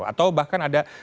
atau bahkan ada